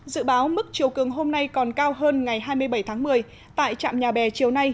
dự báo mức chiều cường hôm nay còn cao hơn ngày hai mươi bảy tháng một mươi tại trạm nhà bè chiều nay